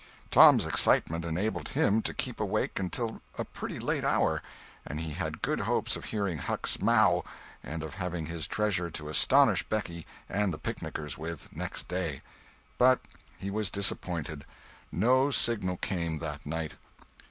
Tom's excitement enabled him to keep awake until a pretty late hour, and he had good hopes of hearing Huck's "maow," and of having his treasure to astonish Becky and the picnickers with, next day; but he was disappointed. No signal came that night.